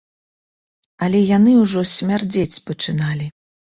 Але яны ўжо смярдзець пачыналі.